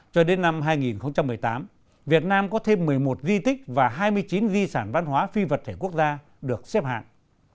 cho đến năm hai nghìn một mươi tám việt nam có thêm một mươi một di tích và hai mươi chín di sản văn hóa phi vật thể quốc gia được xếp hạng